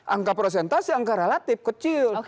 angka prosentase angka relatif kecil